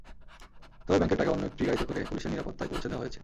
তবে ব্যাংকের টাকা অন্য একটি গাড়িতে করে পুলিশের নিরাপত্তায় পৌঁছে দেওয়া হয়েছে।